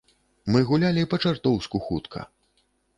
Мы гулялі па-чартоўску хутка.